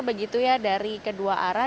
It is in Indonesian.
begitu ya dari kedua arah